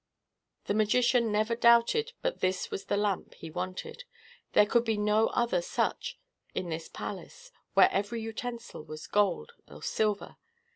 The magician never doubted but this was the lamp he wanted. There could be no other such in this palace, where every utensil was gold or silver.